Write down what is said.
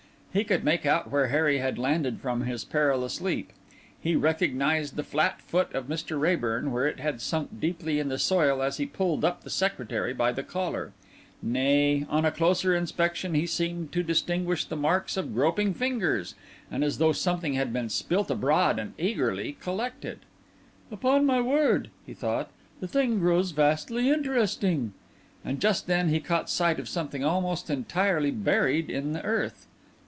He could make out where Harry had landed from his perilous leap; he recognised the flat foot of Mr. Raeburn where it had sunk deeply in the soil as he pulled up the Secretary by the collar; nay, on a closer inspection, he seemed to distinguish the marks of groping fingers, as though something had been spilt abroad and eagerly collected. "Upon my word," he thought, "the thing grows vastly interesting." And just then he caught sight of something almost entirely buried in the earth.